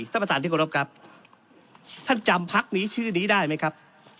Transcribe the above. ท่านประธานที่กรบครับท่านจำพักนี้ชื่อนี้ได้ไหมครับ